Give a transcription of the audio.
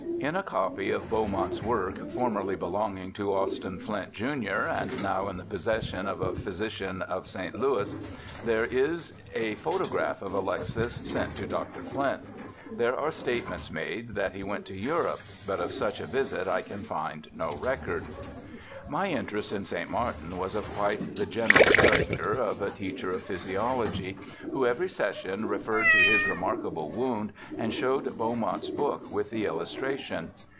In a copy of Beaumont's work, for merly belonging to Austin Flint, Jr., and now in the possession of a physician of St. Louis, there is a photo graph of Alexis sent to Dr. Flint. There are statements made that he went to Europe, but of such a visit I can find no record. My interest in St. Martin was of quite the general character of a teacher of physiology, who every session referred to his remarkable wound and showed Beau mont's book with the illustration.